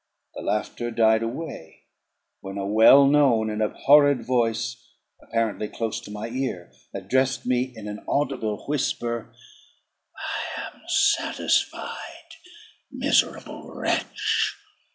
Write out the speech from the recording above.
The laughter died away; when a well known and abhorred voice, apparently close to my ear, addressed me in an audible whisper "I am satisfied: miserable wretch!